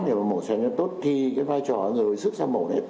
để mà mổ sẽ tốt thì cái vai trò người sức sang mổ này